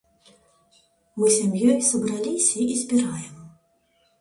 Мы сям'ёй сабраліся і збіраем.